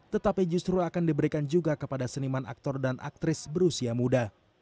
tetapi justru akan diberikan juga kepada seniman aktor dan aktris berusia muda